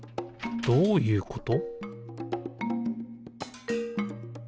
どういうこと？